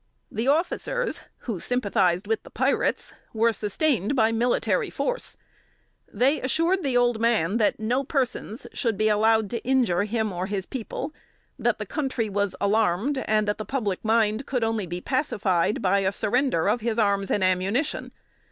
The officers, who sympathized with the pirates, were sustained by military force. They assured the old man that no persons should be allowed to injure him or his people; that the country was alarmed, and the public mind could only be pacified by a surrender of his arms and ammunition.